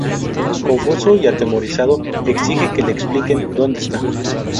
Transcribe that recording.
Confuso y atemorizado, exige que le expliquen dónde está.